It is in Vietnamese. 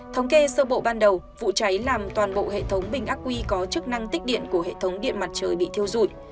thống kê sơ bộ ban đầu vụ cháy làm toàn bộ hệ thống bình ác quy có chức năng tích điện của hệ thống điện mặt trời bị thiêu dụi